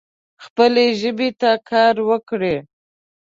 خپلې ژبې ته کار وکړئ